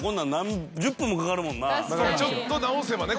ちょっと直せばね